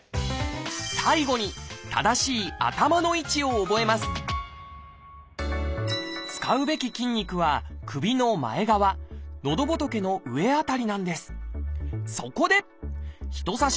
最後に使うべき筋肉は首の前側のどぼとけの上辺りなんです。